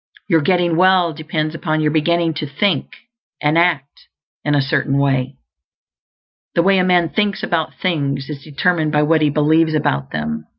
Your getting well depends upon your beginning to think and act in a Certain Way. The way a man thinks about things is determined by what he believes about them.